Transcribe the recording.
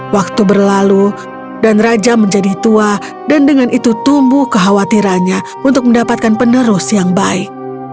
waktu berlalu dan raja menjadi tua dan dengan itu tumbuh kekhawatirannya untuk mendapatkan penerus yang baik